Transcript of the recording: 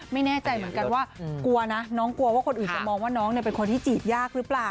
ไม่แน่ใจเหมือนกันว่ากลัวนะน้องกลัวว่าคนอื่นจะมองว่าน้องเป็นคนที่จีบยากหรือเปล่า